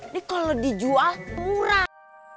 ini kalo dijual murah